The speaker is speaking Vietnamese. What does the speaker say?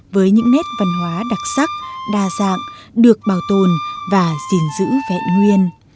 với những nét văn hóa đặc sắc đa dạng được bảo tồn và gìn giữ vẹn nguyên